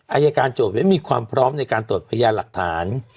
อายการโจทย์นั้นมีความพร้อมในการตรวจพยานหลักฐาน